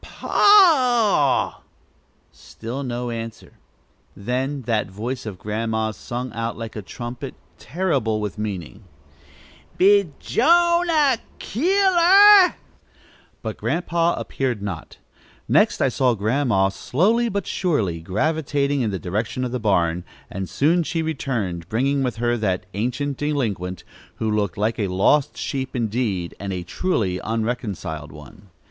pa a a!" Still no answer. Then that voice of Grandma's sung out like a trumpet, terrible with meaning "Bijonah Keeler!" But Grandpa appeared not. Next, I saw Grandma slowly but surely gravitating in the direction of the barn, and soon she returned, bringing with her that ancient delinquent, who looked like a lost sheep indeed and a truly unreconciled one.